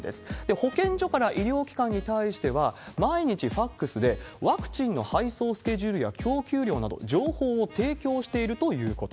保健所から医療機関に対しては、毎日ファックスで、ワクチンの配送スケジュールや供給量など、情報を提供しているということ。